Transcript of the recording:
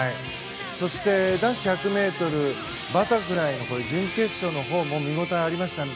そして、男子１００ｍバタフライの準決勝のほうも見ごたえがありましたね。